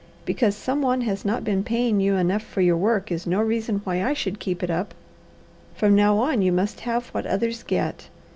Because some one has not been paying you enough for your work is no reason why I should keep it up. From now on you must have what others get.